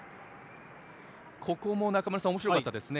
ここもおもしろかったですね